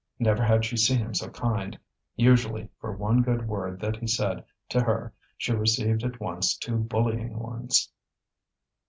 Never had she seen him so kind. Usually, for one good word that he said to her she received at once two bullying ones.